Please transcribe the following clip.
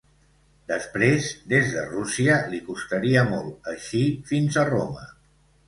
Després, des de Rússia li costaria molt eixir fins a Roma.